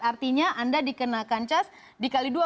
artinya anda dikenakan cas dikali dua